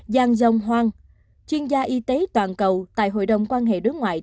giang dòng hoang chuyên gia y tế toàn cầu tại hội đồng quan hệ đối ngoại